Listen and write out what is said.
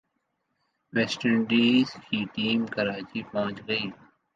waste Indies کی team Karachi پہنچ گئی